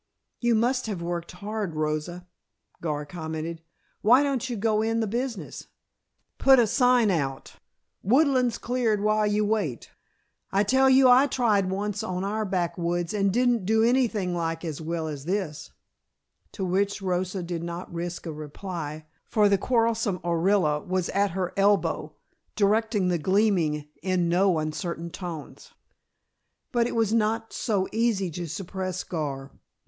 "You must have worked hard, Rosa," Gar commented. "Why don't you go in the business? Put a sign out, 'Woodlands Cleared While You Wait.' I tell you, I tried once on our back woods and didn't do anything like as well as this " To which Rosa did not risk a reply, for the quarrelsome Orilla was at her elbow directing the gleaning in no uncertain tones. But it was not so easy to suppress Gar.